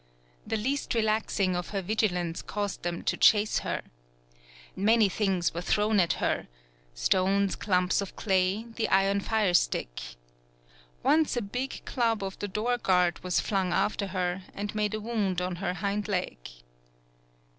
The least relaxing of her vigilance caused them to chase her. Many things were thrown at her, stones, clumps of clay, the iron firestick. Once a big club of the door guard was flung after her, and made a wound on her hind leg.